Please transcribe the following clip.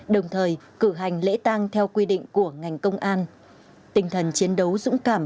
đồng thời cử hành lễ tang theo quy định của ngành công an tinh thần chiến đấu dũng cảm